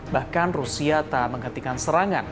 bahkan rusia tak menghentikan serangan